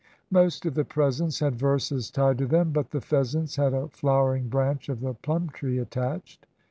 Most of the presents had verses tied to them, but the pheasants had a flowering branch of the plum tree attached.